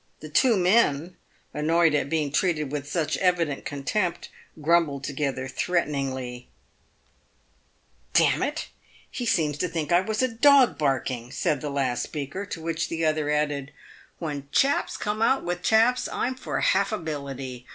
The two men, annoyed at being treated with such evident contempt, grumbled together threateningly. 2 a 354 PAVED WITH GOLD. " D — n it, he seems to think I was a dog barking," said the last speaker ; to which the other added, " "When chaps come out with chaps, I'm for haffability.